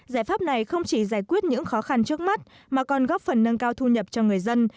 giải pháp này không chỉ giải quyết những khó khăn trước mắt mà còn góp phần nâng cao thu nhập cho người dân